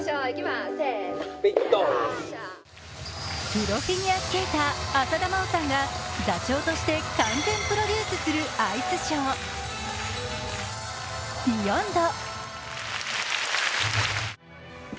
プロフィギュアスケーター浅田真央さんが座長として完全プロデュースするアイスショー、「ＢＥＹＯＮＤ」。